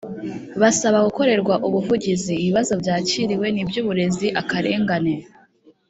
basaba gukorerwa ubuvugizi Ibibazo byakiriwe ni iby Uburezi Akarengane